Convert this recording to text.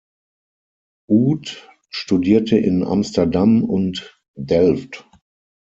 Oud studierte in Amsterdam und Delft.